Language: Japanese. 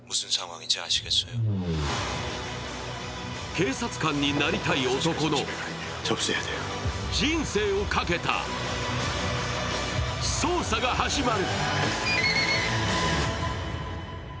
警察官になりたい男の人生をかけた捜査が始まる。